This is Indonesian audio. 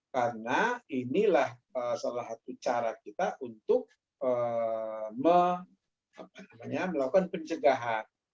karena inilah salah satu cara kita untuk melakukan pencegahan